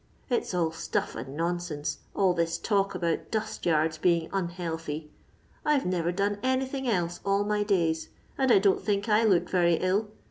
It 's all stuff and nonsense, all this talk about dust yards being unhealthy. I 've never done anything else all my days and I don't think I look very ill.